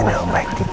ini aku baik baik